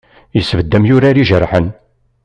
Yesbedd-d amyurar ijerḥen.